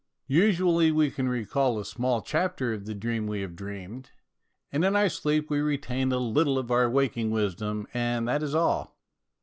Usually we can recall a small chapter of the dream we have dreamed, and in our sleep we retain a little of our waking wisdom, and that is all.